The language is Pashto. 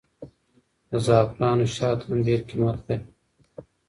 د زعفرانو شات هم ډېر قیمت لري.